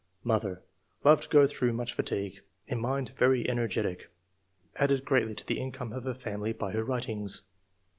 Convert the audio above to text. Mother — Loved to go through much fatigue. In mind very energetic; added greatly to the income of her family by her writings."